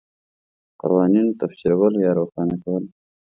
د قوانینو تفسیرول یا روښانه کول